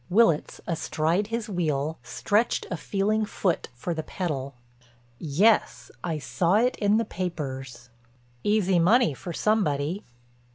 Willitts, astride his wheel, stretched a feeling foot for the pedal: "Yes, I saw it in the papers." "Easy money for somebody."